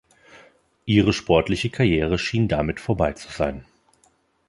Ihre sportliche Karriere schien damit vorbei zu sein.